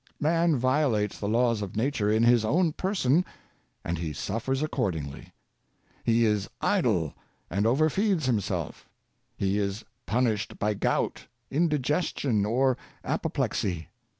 Man violates the laws of nature in his own person, and he suffers accordingly. He is idle, and overfeeds himself; he is punished by gout, indigestion, or apo . plexy.